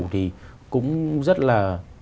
thì cũng rất là